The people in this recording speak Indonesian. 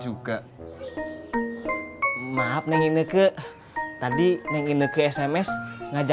udah pak sabar